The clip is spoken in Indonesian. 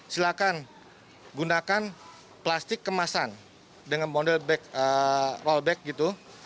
silakan gunakan plastik kemasan dengan model rollback gitu